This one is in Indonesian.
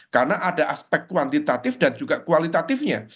karena ada aspek kuantitatif dan juga kualitatifnya